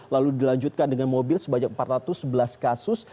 lalu dilanjutkan dengan mobil sebanyak empat ratus sebelas kasus